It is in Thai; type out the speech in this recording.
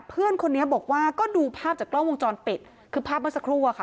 เพื่อนคนนี้บอกว่าก็ดูภาพจากกล้องวงจรปิดคือภาพเมื่อสักครู่อะค่ะ